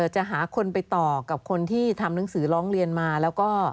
จะหาคนไปต่อกับคนที่ทำหนังสือร้องเรียนมาแล้วก็